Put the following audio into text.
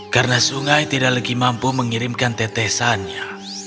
karena sungai tidak lagi mampu mengirimkan tetesannya